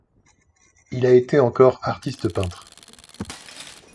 Il a été encore artiste-peintre.